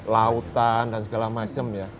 lautan dan segala macam ya